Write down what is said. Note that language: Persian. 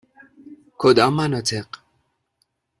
کدام مناطق؟